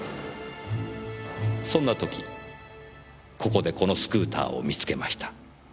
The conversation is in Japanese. そんな時ここでこのスクーターを見つけました。